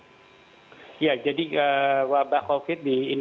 ya jadi wabah covid sembilan belas ini akan menimbulkan masalah yang baru membawa virus tadi itu